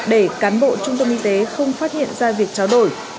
để cán bộ trung tâm y tế không phát hiện ra việc trao đổi